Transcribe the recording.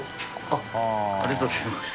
ありがとうございます。